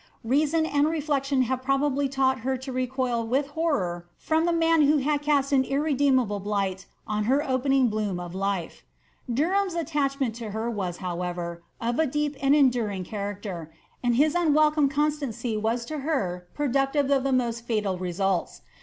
Reason and reflection had probably tught her to recoil with horror from the man who had cast an irreme diable blight on her opening bloom of life. Derham's attachment to her was, however, of a deep and enduring character, and his unwelcome eoBstaocy was to her productive of the most fatal results.